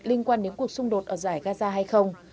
liên quan đến cuộc xung đột ở giải gaza hay không